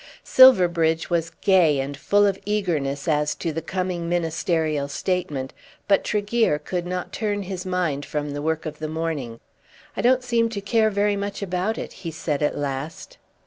Silverbridge was gay and full of eagerness as to the coming ministerial statement, but Tregear could not turn his mind from the work of the morning. "I don't seem to care very much about it," he said at last.